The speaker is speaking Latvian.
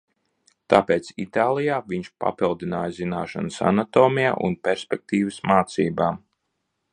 Tāpēc Itālijā viņš papildināja zināšanas anatomijā un perspektīvas mācībā.